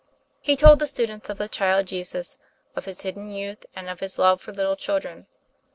He told the students of the child Jesus; of His hidden youth, and of His love for little children.